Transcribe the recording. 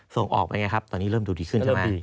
ส่งออกไปไงครับตอนนี้เริ่มดูดีขึ้นใช่ไหม